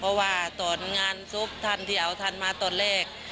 เพราะว่าตอนงานศพท่านที่เอาท่านมาตอนแรก